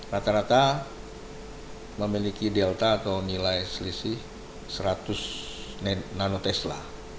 rata rata memiliki delta atau nilai selisih seratus nanotesla